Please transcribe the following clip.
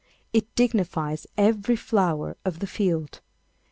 It dignifies every flower of the field.